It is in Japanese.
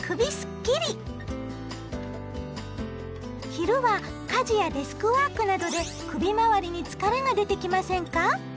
昼は家事やデスクワークなどで首まわりに疲れが出てきませんか？